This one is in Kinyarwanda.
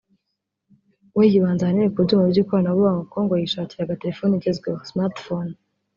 we yibanze ahanini ku byuma by’ikoranabuhanga kuko ngo yishakiraga terefone igezweho (Smart Phone)